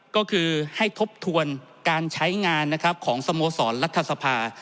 ก็คือให้ทบทวนการใช้งานนะครับของสโมสรรัฐสภา